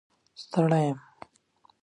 ستړی یم